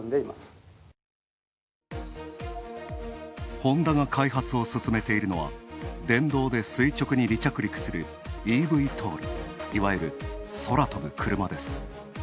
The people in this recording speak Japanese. ホンダが開発を進めているのは電動で垂直に離着陸するｅＶＴＯＬ、いわゆる空飛ぶクルマです。